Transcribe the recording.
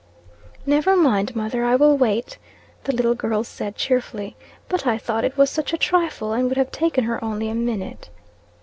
"Never mind, mother, I will wait," the little girl said, cheerfully. "But I thought, it was such a trifle, and would have taken her only a minute."